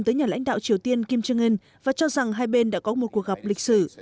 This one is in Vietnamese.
tới nhà lãnh đạo triều tiên kim jong un và cho rằng hai bên đã có một cuộc gặp lịch sử